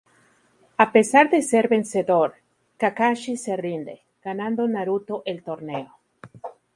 A pesar de ser vencedor, Kakashi se rinde, ganando Naruto el torneo.